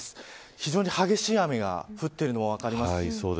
非常に激しい雨が降っているのが分かります。